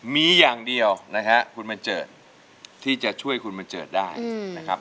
มีอย่างเดียวนะฮะคุณบัญเจิดที่จะช่วยคุณบันเจิดได้นะครับ